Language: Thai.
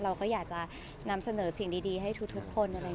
เราก็อยากจะนำเสนอสิ่งดีให้ทุกคนอะไรอย่างนี้